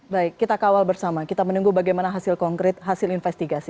baik kita kawal bersama kita menunggu bagaimana hasil konkret hasil investigasi